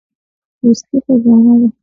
دوستي خزانه ده.